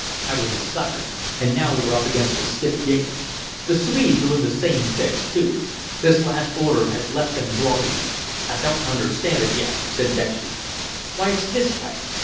I was a sucker, and now we're up against a stiff game. The Swedes are in the same fix, too. This last order has left them groggy." "I don't understand it yet," said Dextry. "Why, it's this way.